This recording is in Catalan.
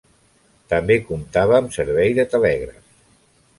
També comptava amb servei de telègraf.